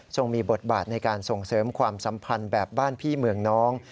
มีบทบาทในการส่งเสริมความสัมพันธ์แบบบ้านพี่เมืองน้อง